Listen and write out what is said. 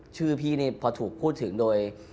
ชื่อพี่นี่พอถูกพูดถึงโดย